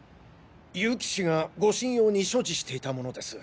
結城氏が護身用に所持していた物です。